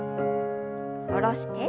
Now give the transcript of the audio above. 下ろして。